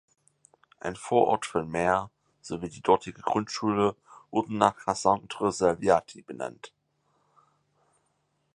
Ein Vorort von Mer sowie die dortige Grundschule wurden nach Cassandre Salviati benannt.